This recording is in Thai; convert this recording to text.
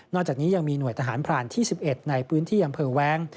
จากนี้ยังมีหน่วยทหารพรานที่๑๑ในพื้นที่อำเภอแว้ง